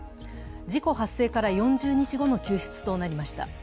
事故発生から４０日後の救出となりました。